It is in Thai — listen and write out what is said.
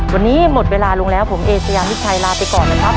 วันนี้หมดเวลาลงแล้วผมเอเชยามิชัยลาไปก่อนนะครับ